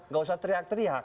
nggak usah teriak teriak